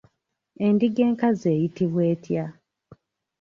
Endiga enkazi eyitibwa etya?